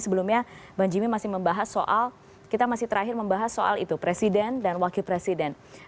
sebelumnya bang jimmy masih membahas soal kita masih terakhir membahas soal itu presiden dan wakil presiden